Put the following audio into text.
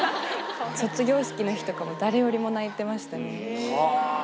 卒業式の日とかも、誰よりも泣いてましたね。